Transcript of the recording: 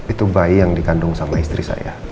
itu bayi yang dikandung sama istri saya